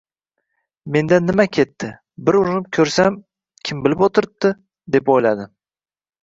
Mendan nima ketdi, bir urinib ko`rsam, kim bilib o`tiribdi, deb o`yladim